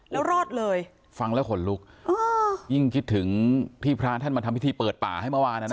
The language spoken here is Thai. แล้วรอดเลยฟังแล้วขนลุกยิ่งคิดถึงที่พระท่านมาทำพิธีเปิดป่าให้เมื่อวานอ่ะนะ